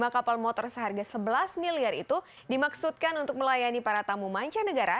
lima kapal motor seharga sebelas miliar itu dimaksudkan untuk melayani para tamu mancanegara